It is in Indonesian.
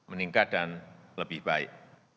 meningkat dan lebih baik